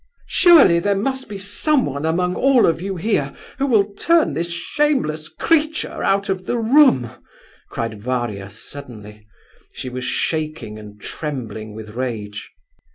"Surely there must be someone among all of you here who will turn this shameless creature out of the room?" cried Varia, suddenly. She was shaking and trembling with rage.